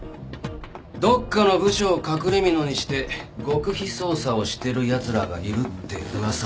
どっかの部署を隠れみのにして極秘捜査をしてるやつらがいるって噂だ。